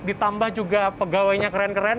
ditambah juga pegawainya keren keren